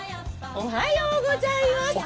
おはようございます。